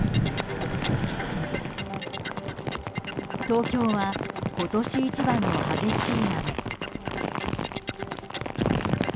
東京は今年一番の激しい雨。